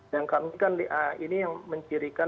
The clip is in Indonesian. dan kami kan ini yang mencirikan